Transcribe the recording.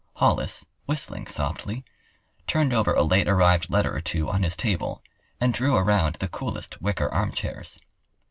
Hollis, whistling softly, turned over a late arrived letter or two on his table, and drew around the coolest wicker armchairs.